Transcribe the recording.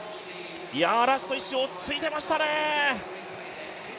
ラスト１周、落ち着いてましたね。